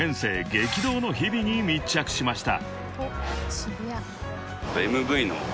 激動の日々に密着しました］